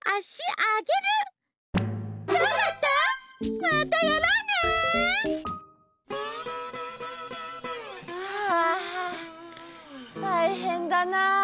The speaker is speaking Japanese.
あたいへんだな。